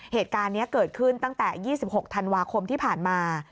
เหตุการณ์นี้เกิดขึ้นตั้งแต่๒๖ธันวาคมที่ผ่านมา